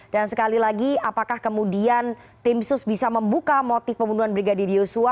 dan sekali lagi apakah kemudian tim sus bisa membuka motif pembunuhan brigadir yusua